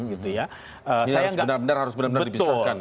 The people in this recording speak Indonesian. ini harus benar benar dibisarkan